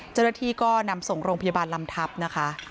เจ้าหน้าที่ก็นำส่งโรงพยาบาลลำทับนะคะ